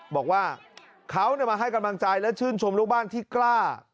บอกว่าเขามาให้กำลังใจและชื่นชมลูกบ้านที่กล้า